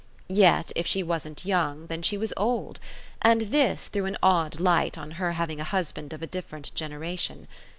Yet if she wasn't young then she was old; and this threw an odd light on her having a husband of a different generation.